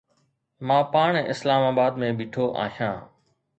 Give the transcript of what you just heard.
مان پاڻ اسلام آباد ۾ بيٺو آهيان